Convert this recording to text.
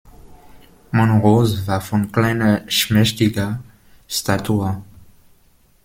Monrose war von kleiner, schmächtiger Statur.